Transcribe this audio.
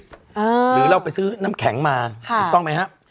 หรือเราไปซื้อน้ำแข็งมาถูกต้องไหมฮะ